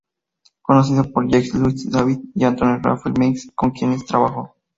Conoció a Jacques Louis David y Anton Raphael Mengs, con quienes trabajó.